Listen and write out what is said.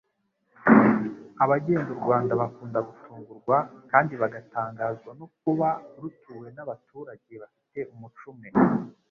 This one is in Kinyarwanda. Abagenda u Rwanda bakunda gutungurwa kandi bagatangazwa no kuba rutuwe n'abaturage bafite umuco umwe,